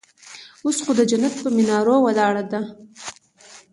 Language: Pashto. اوس خو د جنت پهٔ منارو ولاړه ده